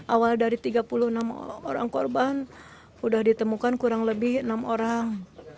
awal dari tiga puluh enam orang korban sudah ditemukan kurang lebih enam orang